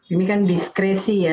ini kan diskresi ya